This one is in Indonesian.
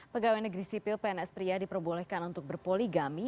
pegawai negeri sipil pns pria diperbolehkan untuk berpoligami